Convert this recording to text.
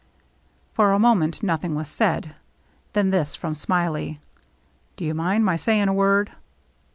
For a moment nothing was said ; then this from Smiley, " Do you mind my saying a word